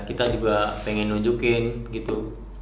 kita juga pengen nunjukin gitu